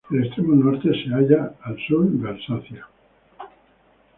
El extremo norte se halla al sur de Alsacia.